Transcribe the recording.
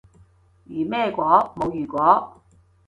如咩果？冇如果